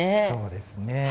そうですね。